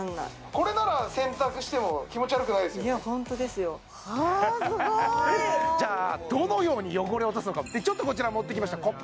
これなら洗濯しても気持ち悪くないですよねいやホントですよはすごい！じゃあどのように汚れを落とすのかこちら持ってきましたコップ